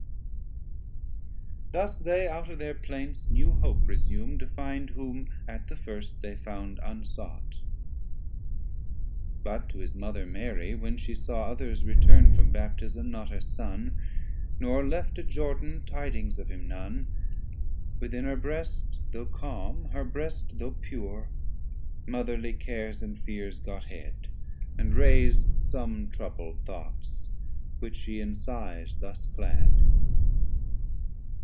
Thus they out of their plaints new hope resume To find whom at the first they found unsought: But to his Mother Mary, when she saw 60 Others return'd from Baptism, not her Son, Nor left at Jordan, tydings of him none; Within her brest, though calm; her brest though pure, Motherly cares and fears got head, and rais'd Some troubl'd thoughts, which she in sighs thus clad.